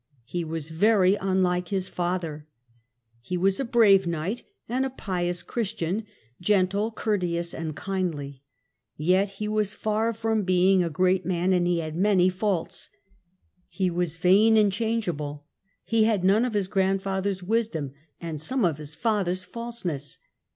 He was very unlike his father. He The character was a brave knight, and a pious Christian, of Henry in. gentle, courteous, and kindly. Yet he was far from being a great man, and he had many faults. He was vain and changeable; he had none of his grandfather's wisdom and some of his father's falseness.'